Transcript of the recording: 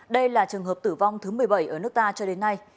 đây là trường hợp tử vong thứ một mươi bảy ở nước ta cho đến nay